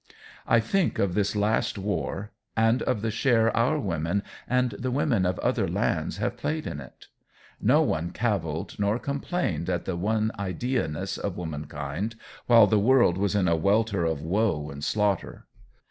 I think of this last war and of the share our women and the women of other lands have played in it. No one caviled nor complained at the one ideaness of womankind while the world was in a welter of woe and slaughter.